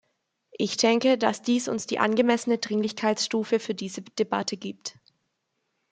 Ich denke, dass dies uns die angemessene Dringlichkeitsstufe für diese Debatte gibt.